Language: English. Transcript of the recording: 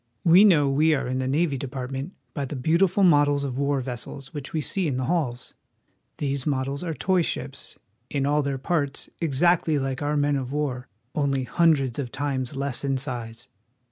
We know we are in the Navy Department by the beautiful models of war vessels which we see in the halls. These models are toy ships, in all their parts exactly like our THE NAVY DEPARTMENT. 37 men of war, only hundreds of times less in size.